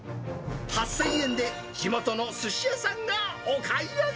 ８０００円で地元のすし屋さんがお買い上げ。